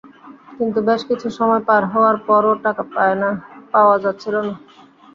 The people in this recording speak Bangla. কিন্তু বেশ কিছু সময় পার হওয়ার পরও টাকা পাওয়া যাচ্ছিল না।